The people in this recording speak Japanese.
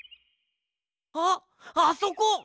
あっあそこ！